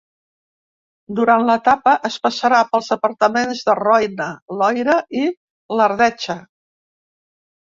Durant l'etapa es passarà pels departaments de Roine, Loira i l'Ardecha.